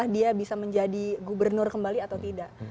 dia bisa menjadi gubernur kembali atau tidak